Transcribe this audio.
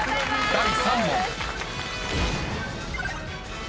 ［第３問］